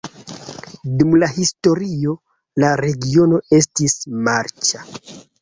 Dum la historio la regiono estis marĉa.